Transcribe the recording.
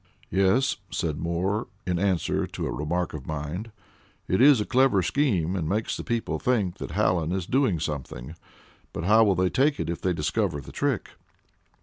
"Yes," said Moore, in answer to a remark of mine, "it is a clever scheme and makes the people think that Hallen is doing something; but how will they take it if they discover the trick?"